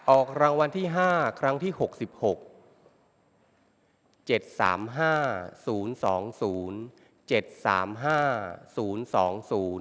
ออกรางวัลที่ห้าครั้งที่หกสิบหกเจ็ดสามห้าศูนย์สองศูนย์เจ็ดสามห้าศูนย์สองศูนย์